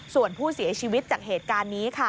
ส่วนผู้เสียชีวิตจากเหตุการณ์นี้ค่ะ